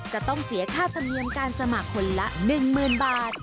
จะต้องเสียค่าธรรมเนียมการสมัครคนละ๑๐๐๐บาท